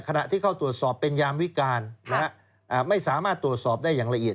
ขณะที่เข้าตรวจสอบเป็นยามวิการไม่สามารถตรวจสอบได้อย่างละเอียด